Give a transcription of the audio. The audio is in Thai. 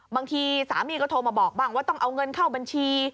บางทีสามีก็โทรมาบอกบ้างว่าต้องเอาเงินเข้าบัญชี